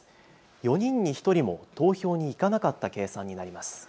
４人に１人も投票に行かなかった計算になります。